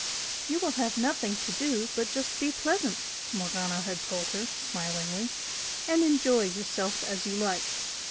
"You will have nothing to do but just be pleasant!" Morgana had told her, smilingly, "And enjoy your self as you like.